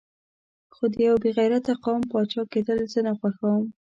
خو د یو بې غیرته قوم پاچا کېدل زه نه خوښوم.